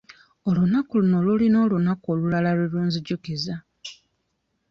Olunaku luno lulina olunaku olulala lwe lunzijukiza.